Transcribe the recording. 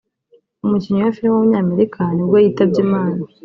umukinnyi wa film w’umunyamerika nibwo yitabye Imana